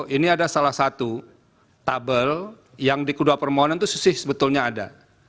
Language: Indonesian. ini ada salah satu tabel yang di kedua permohonan itu sisih sebetulnya ada